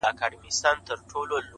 هره هڅه د بریا نښه پرېږدي.